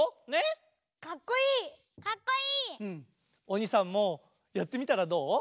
鬼さんもやってみたらどお？